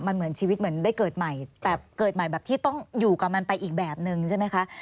มันเหมือนชีวิตเหมือนได้เกิดใหม่แต่เกิดใหม่แบบที่ต้องอยู่กับมันไปอีกแบบนึงใช่ไหมคะ